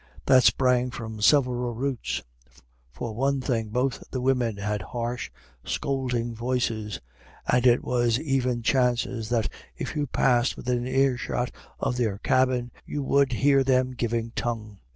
That sprang from several roots. For one thing, both the women had harsh, scolding voices, and it was even chances that if you passed within earshot of their cabin you would hear them giving tongue.